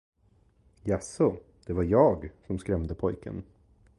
Jaså, det var jag, som skrämde pojken.